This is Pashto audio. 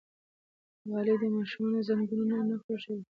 غالۍ د ماشومانو زنګونونه نه خوږوي.